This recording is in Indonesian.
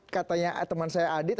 katanya teman saya adit